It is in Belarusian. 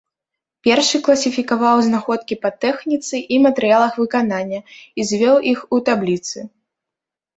Першы класіфікаваў знаходкі па тэхніцы і матэрыялах выканання і звёў іх у табліцы.